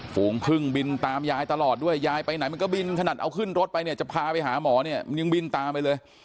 ฝูงพึ่งบินตามยายตลอดด้วยยายไปไหนมันก็บินขนาดเอาขึ้นรถไปเนี่ยจะพาไปหาหมอเนี่ยมันยังบินตามไปเลย